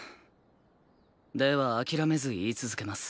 では諦めず言い続けます。